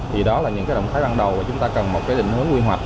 thì đó là những cái động thái ban đầu mà chúng ta cần một cái định hướng quy hoạch